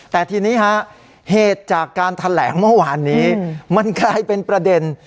แต่ทีนี้ฮะเหตุจากการแถลงเมื่อวานนี้มันกลายเป็นประเด็น